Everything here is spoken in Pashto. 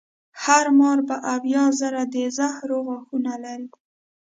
هر مار به اویا زره د زهرو غاښونه لري.